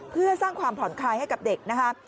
เพื่อสร้างความผ่อนคลายให้กับเด็กนะคะ